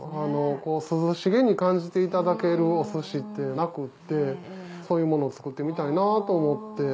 涼しげに感じていただけるお寿司ってなくってそういうものを作ってみたいなと思って。